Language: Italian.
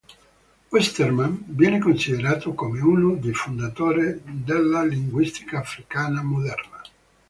Westermann viene considerato come uno dei fondatori della linguistica africana moderna.